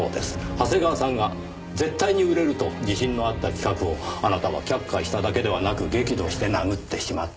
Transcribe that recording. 長谷川さんが絶対に売れると自信のあった企画をあなたは却下しただけではなく激怒して殴ってしまった。